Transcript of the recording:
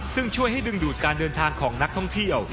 ซึ่งช่วยให้ดึงดูดการเดินทางของนักท่องเที่ยว